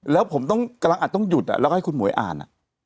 แล้วผมต้องกำลังอาจต้องหยุดแล้วก็ให้คุณหมวยอ่าน